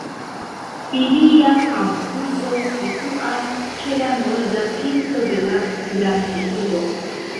Filia kampuso situas ĉe la norda pinto de la grandurbo.